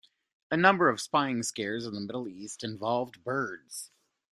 A number of spying scares in the Middle East involved birds.